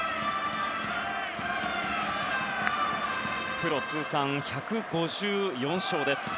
プロ通算１５４勝です。